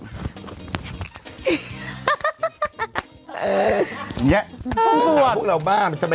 แบบนี้นะครับจะจะแบบนี้อุ้งว่าทุกคน่ะพวกเราบ้ามันมีใจอีก